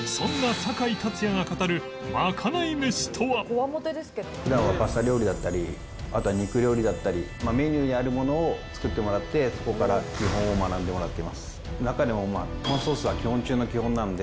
そんな普段はパスタ料理だったりあとは肉料理だったりメニューにあるものを作ってもらってそこから基本を学んでもらっています。